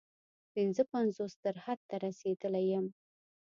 پنځه پنځوس تر حد ته رسېدلی یم.